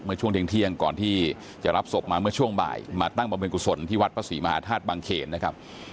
ช่วงเที่ยงก่อนที่จะรับศพมาเมื่อช่วงบ่ายมาตั้งบำเพ็ญกุศลที่วัดพระศรีมหาธาตุบังเขนนะครับ